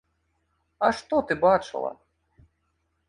А што ты бачыла?